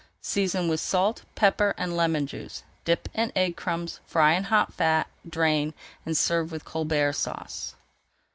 Season with salt, pepper, and lemon juice, dip in egg and crumbs, fry in hot fat, drain, and serve with Colbert Sauce.